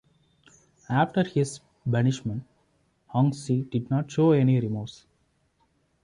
After his banishment, Hongshi did not show any remorse.